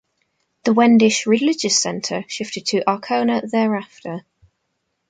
The Wendish religious centre shifted to Arkona thereafter.